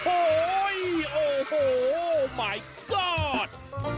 โอ้โฮโอ้โฮโอ้มายก็อด